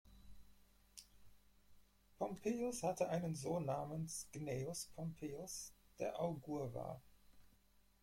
Pompeius hatte einen Sohn namens Gnaeus Pompeius, der Augur war.